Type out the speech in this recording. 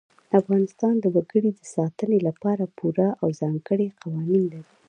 افغانستان د وګړي د ساتنې لپاره پوره او ځانګړي قوانین لري.